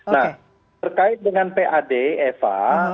nah terkait dengan pad eva